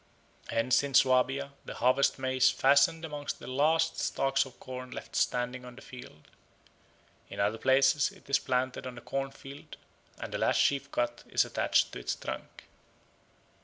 Hence in Swabia the Harvest May is fastened amongst the last stalks of corn left standing on the field; in other places it is planted on the corn field and the last sheaf cut is attached to its trunk.